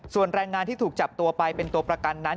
ส่วนแรงงานที่ถูกจับตัวไปเป็นตัวประกันนั้น